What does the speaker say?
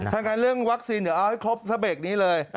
ทางการเรื่องวัคซีนเดี๋ยวเอาให้ครบภาพแบบนี้เลย